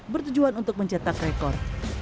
bertujuan untuk mencetak rekor